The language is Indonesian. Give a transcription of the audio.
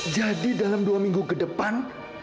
jadi dalam dua minggu ke depan